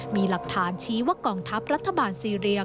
มีหลักฐานชี้ว่ากองทัพรัฐบาลซีเรีย